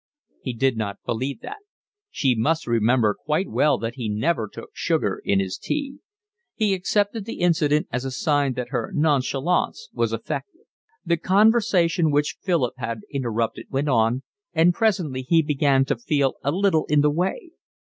He did not believe that. She must remember quite well that he never took sugar in his tea. He accepted the incident as a sign that her nonchalance was affected. The conversation which Philip had interrupted went on, and presently he began to feel a little in the way.